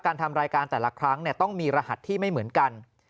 ทำรายการแต่ละครั้งต้องมีรหัสที่ไม่เหมือนกัน